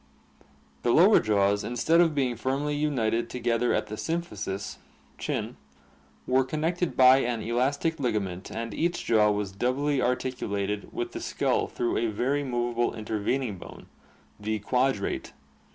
The lower jaws instead of being firmly united together at the symphysis (chin) were connected by an elastic ligament and each jaw was doubly articulated with the skull through a very movable inter vening bone, the quadrate.